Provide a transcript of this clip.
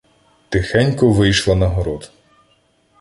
Тихенько вийшла на город.